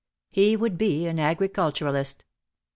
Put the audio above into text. He would be an agriculturalist.